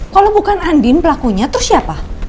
kalo bukan andin pelakunya terus siapa